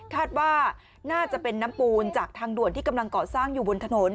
คาดว่าน่าจะเป็นน้ำปูนจากทางด่วนที่กำลังเกาะสร้างอยู่บนถนน